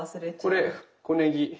これこねぎ。